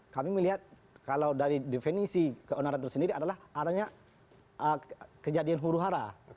kami melihat kalau dari definisi keonaran itu sendiri adalah adanya kejadian huru hara